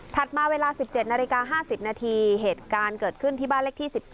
มาเวลา๑๗นาฬิกา๕๐นาทีเหตุการณ์เกิดขึ้นที่บ้านเลขที่๑๒